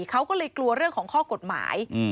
เขาก็เลยกลัวเรื่องของข้อกฎหมาย